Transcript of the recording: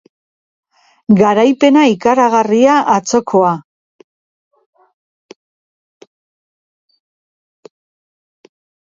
Garaipena ikaragarria atzokoa